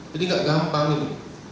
jadi tidak gampang itu